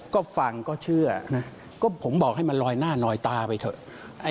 ก็ฟังก็เชื่อนะก็ผมบอกให้มันลอยหน้าลอยตาไปเถอะ